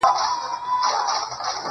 د مرگي راتلو ته، بې حده زیار باسه.